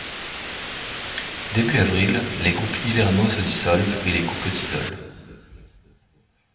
Début avril, les groupes hivernaux se dissolvent et les couples s’isolent.